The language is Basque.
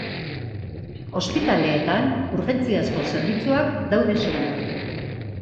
Ospitaleetan, urgentziazko zerbitzuak daude soilik.